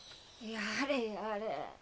やれやれ。